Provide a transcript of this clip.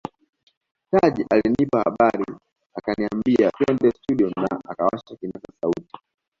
Taji alinipa habari akaniambia twende studio na akawasha kinasa sauti